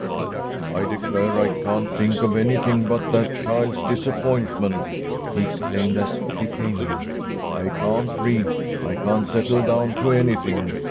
"I declare I can't think of anything but that child's disappointment!" he exclaimed, as she came in. "I can't read! I can't settle down to anything.